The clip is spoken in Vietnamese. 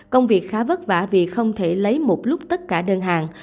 công việc khá vất vả vì không thể lấy một lúc tất cả đơn hàng